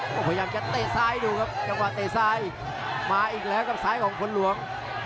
ก็พยายามจะเตะซ้ายดูครับจังหวะเตะซ้ายมาอีกแล้วครับซ้ายของผลหลวง